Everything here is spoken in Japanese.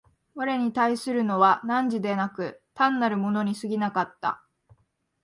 我に対するのは汝でなく、単なる物に過ぎなかった。